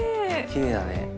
きれいだね。